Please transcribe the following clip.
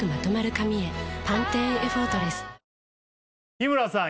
日村さん